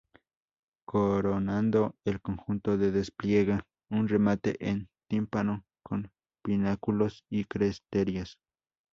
Coronando el conjunto se despliega un remate en tímpano con pináculos y cresterías.